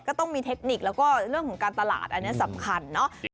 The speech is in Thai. ก็ต้องมีเทคนิคแล้วก็เรื่องของการตลาดอันนี้สำคัญเนาะ